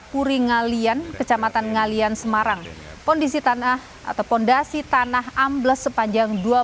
puri ngalian kecamatan ngalian semarang pondisi tanah atau pondasi tanah ambles sepanjang dua belas